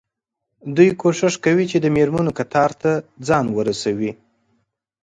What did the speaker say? دوی کوښښ کوي چې د مېرمنو کتار ته ځان ورسوي.